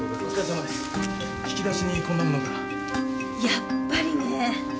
やっぱりね！